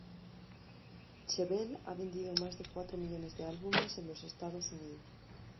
Chevelle ha vendido más de cuatro millones de álbumes en los Estados Unidos.